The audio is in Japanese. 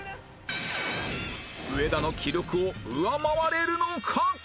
上田の記録を上回れるのか？